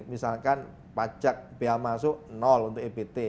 misalkan pajak biaya masuk untuk ebt